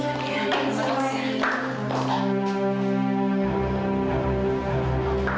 ya pak haris